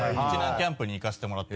キャンプに行かせてもらって。